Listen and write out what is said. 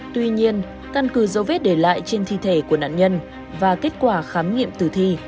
tuy nhiên căn cứ dấu vết để lại trên thi thể của nạn nhân và kết quả khám nghiệm tử thi